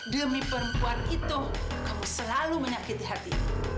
demi perempuan itu kau selalu menyakiti hati